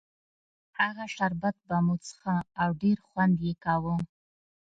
هغه شربت به مو څښه او ډېر خوند یې کاوه.